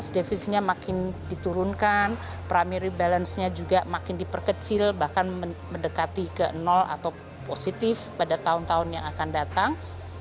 defisitnya makin diturunkan primary balance nya juga makin diperkecil bahkan mendekati ke nol atau positif pada tahun tahun yang akan datang